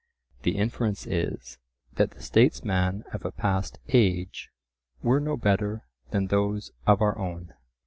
The inference is, that the statesman of a past age were no better than those of our own.